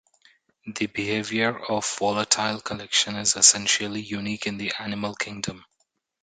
The behavior of volatile collection is essentially unique in the animal kingdom.